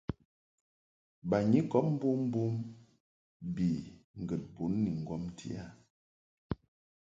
Banyikɔb mbommbom bi ŋgəd bun ni ŋgɔmti a.